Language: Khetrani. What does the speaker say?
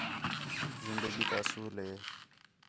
زندگی تا اصول ہِے